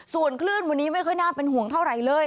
ส่วนคลื่นวันนี้ไม่ค่อยน่าเป็นห่วงเท่าไหร่เลย